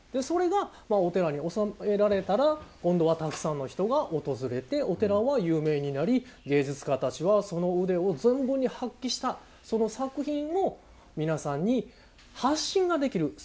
それがお寺に納められたら今度はたくさんの人が訪れてお寺は有名になり芸術家たちはその腕を存分に発揮したその作品を皆さんに発信ができる。